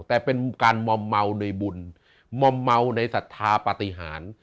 แต่เป็นการมอมเมาในบุญมอมเมาในศรัทธาปฏิหาร